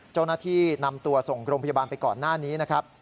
เจ้าหน้าที่นำตัวส่งโรงพยาบาลไปก่อนหน้านี้นะครับ